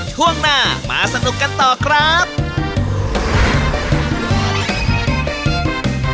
ช่วงหน้ามาสนุกกันต่อครับ